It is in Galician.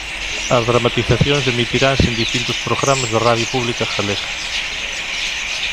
As dramatizacións emitiranse en distintos programas da radio pública galega.